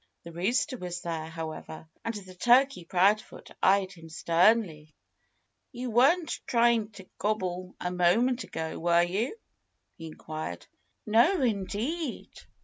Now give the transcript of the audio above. The rooster was there, however. And Turkey Proudfoot eyed him sternly. "You weren't trying to gobble a moment ago, were you?" he inquired. "No, indeed!"